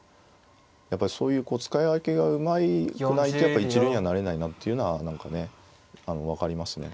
やっぱりそういう使い分けがうまくないとやっぱ一流にはなれないなっていうのは何かね分かりますね。